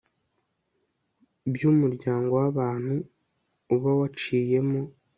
by'umuryango w'abantu uba waciyemo